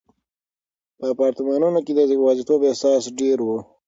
په اپارتمانونو کې د یوازیتوب احساس ډېر و.